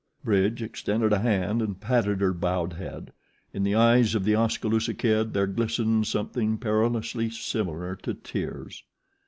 Bridge extended a hand and patted her bowed head. In the eyes of The Oskaloosa Kid there glistened something perilously similar to tears.